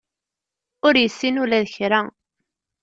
Ur issin ula d kra.